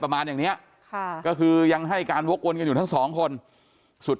ประมาณอย่างเนี้ยค่ะก็คือยังให้การวกวนกันอยู่ทั้งสองคนสุด